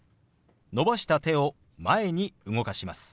伸ばした手を前に動かします。